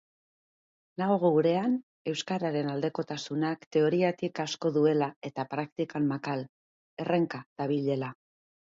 Nago gurean euskararen aldekotasunak teoriatik asko duela eta praktikan makal, herrenka dabilela.